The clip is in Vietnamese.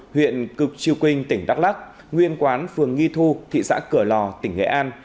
huyện cực triều quynh tỉnh đắk lắk nguyên quán phường nghi thu thị xã cửa lò tỉnh nghệ an